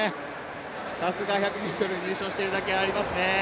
さすが１００ｍ入賞しているだけありますね。